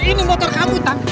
ini motor kamu tang